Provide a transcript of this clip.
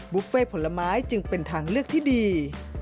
บุฟเฟ่ผลไม้จึงเป็นทางเลือกที่ดี